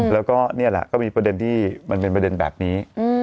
แล้วก็นี่แหละก็มีประเด็นที่มันเป็นประเด็นแบบนี้